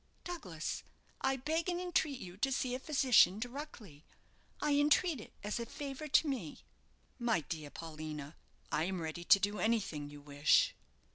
"Douglas, I beg and entreat you to see a physician directly. I entreat it as a favour to me." "My dear Paulina, I am ready to do anything you wish."